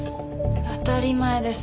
当たり前です。